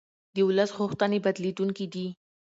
د ولس غوښتنې بدلېدونکې دي